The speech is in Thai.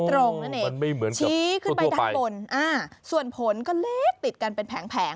ลักษณะมันแปลกผิดปกติจากกล้วยทั่วไปนั่นเอง